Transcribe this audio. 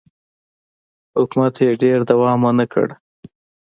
حکومت یې ډېر دوام ونه کړ.